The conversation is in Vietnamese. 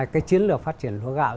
cái chiến lược phát triển lúa gạo